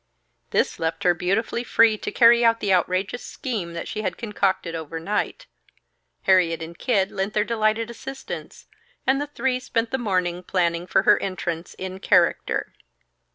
This left her beautifully free to carry out the outrageous scheme that she had concocted over night. Harriet and Kid lent their delighted assistance, and the three spent the morning planning for her entrance in character.